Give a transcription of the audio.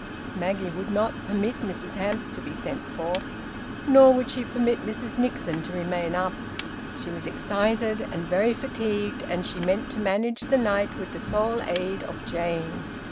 Maggie would not permit Mrs Hamps to be sent for. Nor would she permit Mrs Nixon to remain up. She was excited and very fatigued, and she meant to manage the night with the sole aid of Jane.